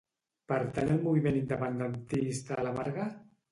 Pertany al moviment independentista la Marga?